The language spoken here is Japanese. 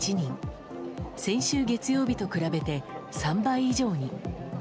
先週月曜日と比べて３倍以上に。